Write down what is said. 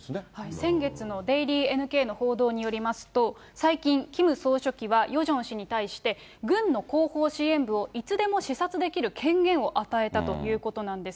先月のデイリーＮＫの報道によりますと、最近、キム総書記はヨジョン氏に対して、軍の後方支援部をいつでも視察できる権限を与えたということなんです。